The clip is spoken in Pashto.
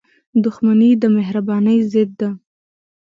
• دښمني د مهربانۍ ضد ده.